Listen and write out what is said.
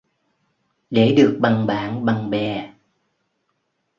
Để được bằng bạn bằng bè